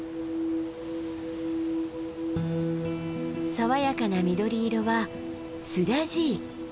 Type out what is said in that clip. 爽やかな緑色はスダジイ。